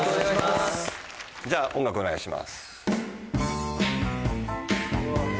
じゃあ音楽お願いします。